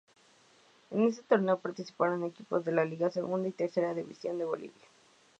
En este torneo participaron equipos de la Liga, Segunda y Tercera división de Bolivia.